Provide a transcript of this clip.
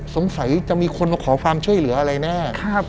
สงสัยจะมีคนมาขอความช่วยเหลืออะไรแน่